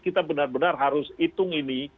kita benar benar harus hitung ini